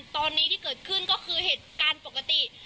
ตอนนี้ที่เกิดขึ้นก็คือเหตุการณ์ปกติ